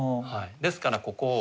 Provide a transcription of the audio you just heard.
ですからここを。